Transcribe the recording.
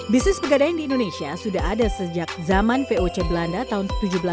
bisnis pegadaian di indonesia sudah ada sejak zaman voc belanda tahun seribu tujuh ratus sembilan puluh